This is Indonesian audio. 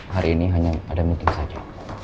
hari ini hanya ada meeting saja